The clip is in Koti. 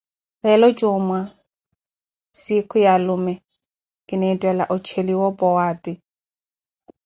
leelo juumwa, siikhu ya alume, kineettela ocheliwa o powaati.